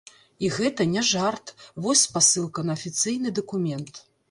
І гэта не жарт, вось спасылка на афіцыйны дакумент.